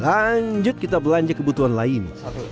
lanjut kita belanja kebutuhan lain